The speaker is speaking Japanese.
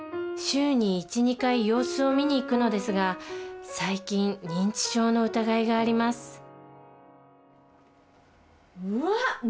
週に１２回様子を見に行くのですが最近認知症の疑いがありますうわっ！